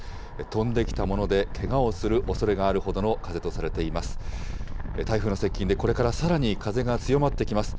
飛んできた物でけがをするおそれがあるほどの風とされています。